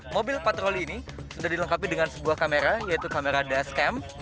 mobil patroli ini sudah dilengkapi dengan sebuah kamera yaitu kamera dashcam